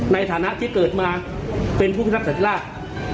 ในฐานะที่เกิดมาเป็นผู้พิทักศาธิราช